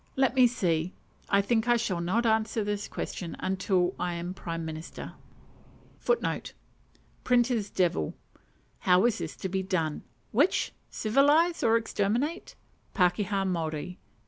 Let me see. I think I shall not answer this question until I am prime minister. PRINTER'S DEVIL. How is this to be done? which? civilize or exterminate? PAKEHA MAORI.